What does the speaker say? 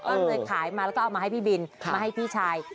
ก็เลยขายมาแล้วก็เอามาให้พี่บินมาให้พี่ชาย